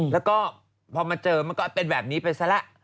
แล้วก็พอมาเจอมันก็เป็นแบบนี้ไปซะแล้ว